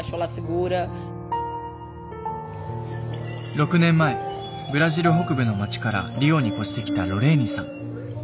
６年前ブラジル北部の町からリオに越してきたロレーニさん。